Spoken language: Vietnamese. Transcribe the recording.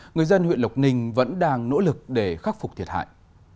người dân huyện lộc ninh vẫn đang nỗ lực để khắc phục thiệt hại